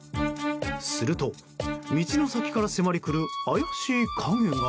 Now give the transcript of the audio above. すると、道の先から迫りくる怪しい影が。